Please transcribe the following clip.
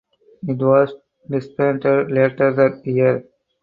It was disbanded later that year.